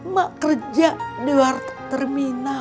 mak kerja di luar terminal